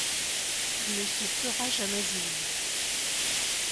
Il ne se fera jamais élire.